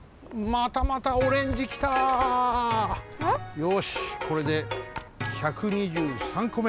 よしこれで１２３こめ。